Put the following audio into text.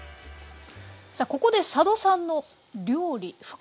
さあここで佐渡さんの料理深掘り